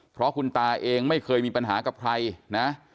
เพราะคุณตาเองไม่เคยมีปัญหากับใครนะ